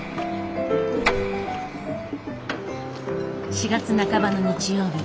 ４月半ばの日曜日。